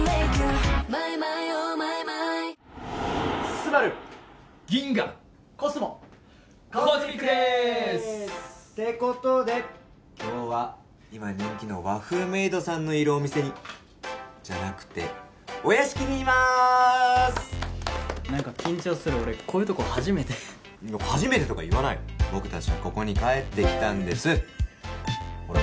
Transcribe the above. スバルギンガコスモＣＯＳＭＩＣですってことで今日は今人気の和風メイドさんのいるお店にじゃなくてお屋敷にいますなんか緊張する俺こういうとこ初めて初めてとか言わない僕たちはここに帰ってきたんですほら